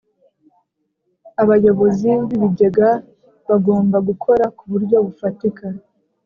Abayobozi b ibigega bagomba gukora ku buryo bufatika